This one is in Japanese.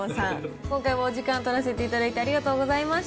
今回もお時間取らせていただいて、ありがとうございました。